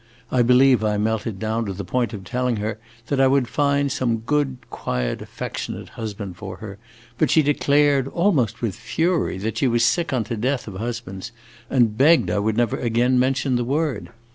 I believe I melted down to the point of telling her that I would find some good, quiet, affectionate husband for her; but she declared, almost with fury, that she was sick unto death of husbands, and begged I would never again mention the word.